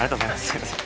すいません。